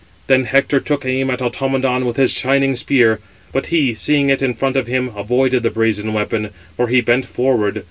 Then Hector took aim at Automedon with his shining spear, but he, seeing it in front of him, avoided the brazen weapon; for he bent forward.